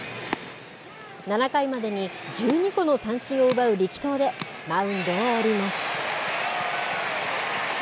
７回までに１２個の三振を奪う力投でマウンドを降ります。